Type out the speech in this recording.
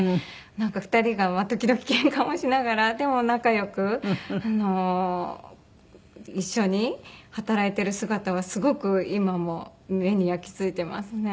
なんか２人が時々けんかもしながらでも仲良く一緒に働いてる姿はすごく今も目に焼き付いてますね。